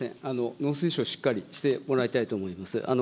農水省、しっかりしてもらいたいと思います。